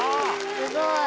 すごい！